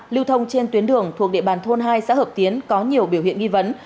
lưu thông trên tuyến đường thuộc địa bàn thôn hai xã hợp tiến có nhiều biểu hiện nghi vấn